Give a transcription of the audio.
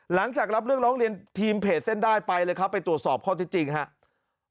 หลังจากรับเรื่องร้องเรียนทีมเพจเส้นได้ไปเลยครับไปตรวจสอบข้อที่จริงครับ